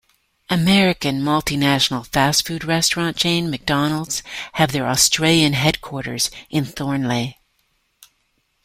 American multinational fast food restaurant chain McDonald's have their Australian headquarters in Thornleigh.